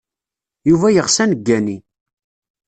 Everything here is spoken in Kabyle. Yuba yeɣs ad neggani.